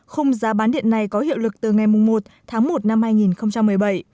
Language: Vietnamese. khung giá bán điện này có hiệu lực từ ngày một tháng một năm hai nghìn một mươi bảy